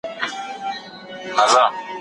الله تعالی هغه ډير شريف کتاب په عربي را استولی دی.